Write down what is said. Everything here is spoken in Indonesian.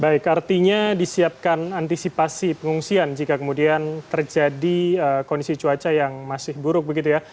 baik artinya disiapkan antisipasi pengungsian jika kemudian terjadi kondisi cuaca yang masih buruk begitu ya